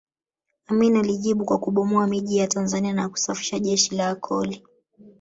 Amin alijibu kwa kubomoa miji ya Tanzania na kusafisha jeshi la Akoli